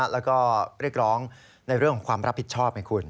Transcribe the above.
แล้วก็เรียกร้องในเรื่องของความรับผิดชอบไงคุณ